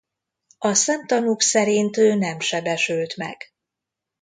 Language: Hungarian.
A szemtanúk szerint ő nem sebesült meg.